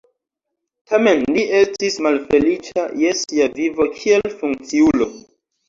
Tamen li estis malfeliĉa je sia vivo kiel funkciulo.